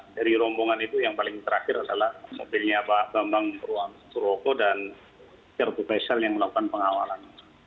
dari rombongan itu yang paling terakhir adalah mobilnya pak bambang purwoko dan kertu pesel yang melakukan pengawalan